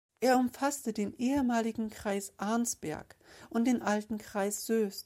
Er umfasste den ehemaligen Kreis Arnsberg und den alten Kreis Soest.